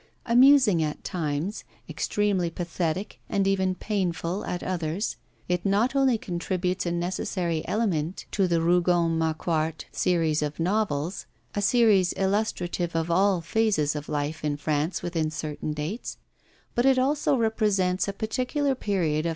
Amusing at times, extremely pathetic and even painful at others, it not only contributes a necessary element to the Rougon Macquart series of novels a series illustrative of all phases of life in France within certain dates but it also represents a particular period of M.